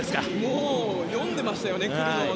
もう読んでましたよね来るのを。